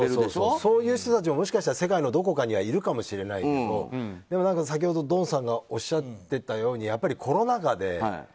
そういう人たちももしかしたら世界のどこかにいるかもしれないけど先ほど、ドンさんがおっしゃってたようにやっぱりコロナ禍で。